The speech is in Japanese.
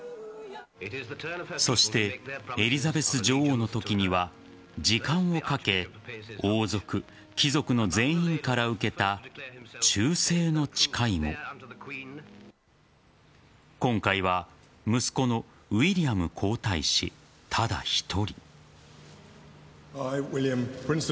そしてエリザベス女王のときには時間をかけ王族、貴族の全員から受けた忠誠の誓いも今回は息子のウィリアム皇太子ただ１人。